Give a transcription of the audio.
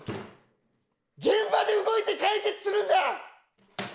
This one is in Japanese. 現場で動いて解決するんだ！